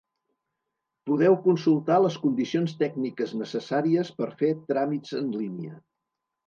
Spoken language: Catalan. Podeu consultar les condicions tècniques necessàries per fer tràmits en línia.